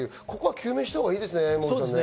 究明したほうがいいですね。